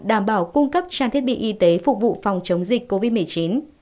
đảm bảo cung cấp trang thiết bị y tế phục vụ phòng chống dịch covid một mươi chín